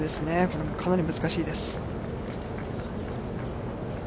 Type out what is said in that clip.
これもかなり難しいです。